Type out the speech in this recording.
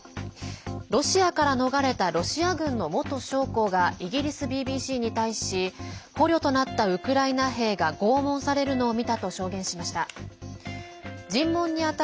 ロシアから逃れたロシア軍の元将校がイギリスＢＢＣに対し捕虜となったウクライナ兵が拷問されるのを見たと証言しました。